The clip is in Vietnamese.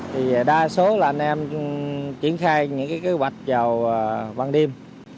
thì đa số là anh em triển khai những cái kế hoạch vào ban đêm